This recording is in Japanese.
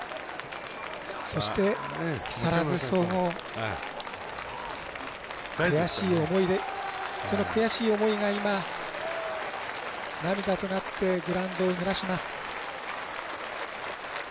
そして、木更津総合悔しい思いでその悔しい思いが今、涙となってグラウンドをぬらします。